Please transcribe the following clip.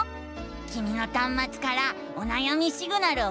きみのたんまつからおなやみシグナルをキャッチしたのさ！